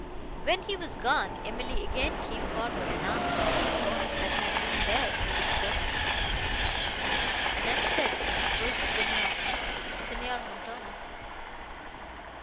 When he was gone, Emily again came forward, and asked who it was, that had been there to disturb her. Annette said it was the Signor—Signor Montoni.